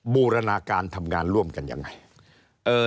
บูรณาการทำงานร่วมกันยังไง